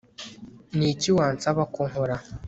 Niki wansaba ko nkora